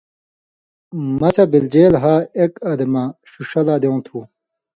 مسح بِلژیل ہا ایک اَدمہ (ݜِݜہ) لا دیوں تھُو۔